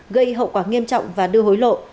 gây hậu quả nghiêm trọng và đưa hối lộ